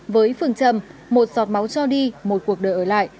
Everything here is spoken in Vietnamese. với phương châm một giọt máu cho đi một cuộc đời ở lại